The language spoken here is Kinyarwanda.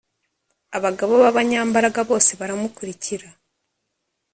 abagabo b abanyambaraga bose baramukurikira